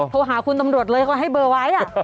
โทรหาคุณตำรวจเลยเขาให้เบอร์ไว้